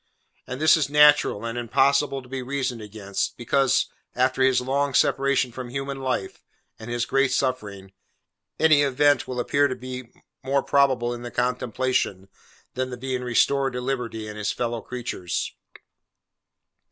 And this is natural, and impossible to be reasoned against, because, after his long separation from human life, and his great suffering, any event will appear to him more probable in the contemplation, than the being restored to liberty and his fellow creatures.